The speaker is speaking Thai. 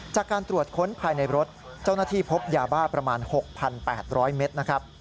จากการตรวจค้นภายในรถเจ้าหน้าที่พบยาบ้าประมาณ๖๘๐๐เมตรนะครับ